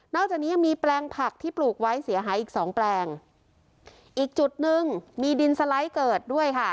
จากนี้ยังมีแปลงผักที่ปลูกไว้เสียหายอีกสองแปลงอีกจุดหนึ่งมีดินสไลด์เกิดด้วยค่ะ